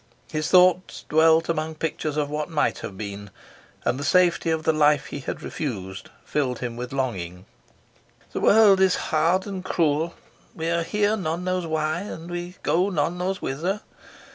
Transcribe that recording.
His thoughts dwelt among pictures of what might have been, and the safety of the life he had refused filled him with longing. "The world is hard and cruel. We are here none knows why, and we go none knows whither.